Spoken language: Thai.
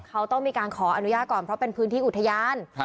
เขาต้องมีการขออนุญาตก่อนเพราะเป็นพื้นที่อุทยาน